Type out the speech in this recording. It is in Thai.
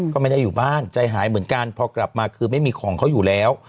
ก็ไม่ได้อยู่บ้านใจหายเหมือนกันพอกลับมาคือไม่มีของเขาอยู่แล้ว